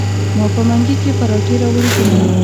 ما په منګي کې پراټې راوړي دینه.